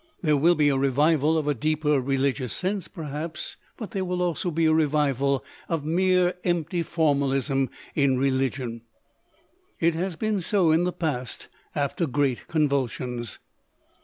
There will be a revival of a deeper religious sense, perhaps, but there will also be a revival of mere empty formalism in re ligion. It has been so in the past after great convulsions.